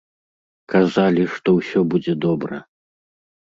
Казалі, што ўсё будзе добра.